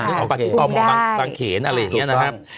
ออกไปที่ตมบางเขนอะไรอย่างนี้นะครับ